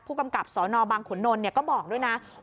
ผู้กำกับสอนอว์บางขุนนท์นี่้วก็บอกด้วยนะครับ